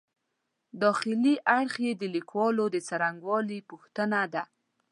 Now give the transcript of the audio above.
داخلي اړخ یې د لیکلو د څرنګوالي پوښتنه ده.